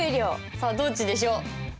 さあどっちでしょう。